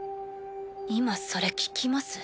今それ聞きます？